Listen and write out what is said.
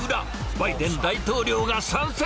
バイデン大統領が参戦。